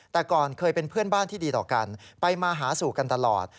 แต่ก่อนเคยเป็นเพื่อนบ้านที่ดีต่อกันไปมาหาสู่กันตลอด